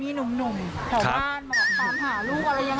มีหนุ่มเสาบ้านมาตามหาลูกอะไรอย่างไร